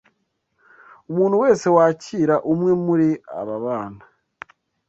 Umuntu wese wakira umwe muri aba bana